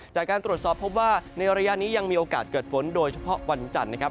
จากการตรวจสอบพบว่าในระยะนี้ยังมีโอกาสเกิดฝนโดยเฉพาะวันจันทร์นะครับ